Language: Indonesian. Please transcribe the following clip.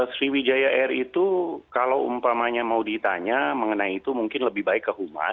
sriwijaya air itu kalau umpamanya mau ditanya mengenai itu mungkin lebih baik ke humas